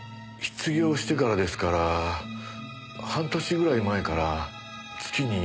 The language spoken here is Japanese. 失業してからですから半年ぐらい前から月に１度か２度。